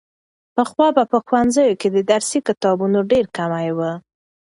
پخوا به په ښوونځیو کې د درسي کتابونو ډېر کمی و.